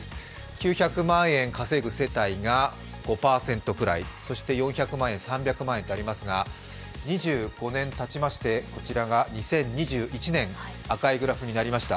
９００万円稼ぐ世帯が５％くらい、４００万円、３００万円とありますが２５年たちましてこちらが２０２１年、赤いグラフになりました。